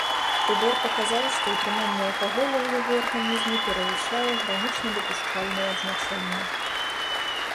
Прыбор паказаў, што ўтрыманне алкаголю ў яго арганізме перавышае гранічна дапушчальныя значэнні.